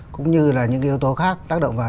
cũng như là những cái yếu tố khác tác động vào